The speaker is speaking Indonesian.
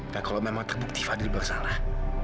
dan kalau memang terbukti fadil bersalah